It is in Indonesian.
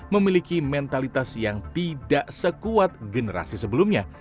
memiliki mentalitas yang tidak sekuat generasi sebelumnya